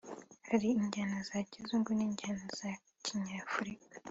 hari injyana za kizungu (Modern Dance) n’injyana za Kinyafurika